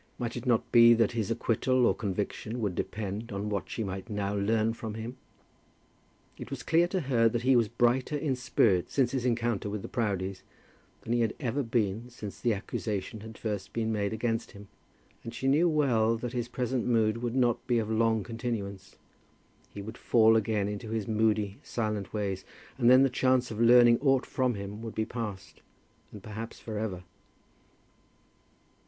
Might it not be that his acquittal or conviction would depend on what she might now learn from him? It was clear to her that he was brighter in spirit since his encounter with the Proudies than he had ever been since the accusation had been first made against him. And she knew well that his present mood would not be of long continuance. He would fall again into his moody silent ways, and then the chance of learning aught from him would be past, and perhaps, for ever.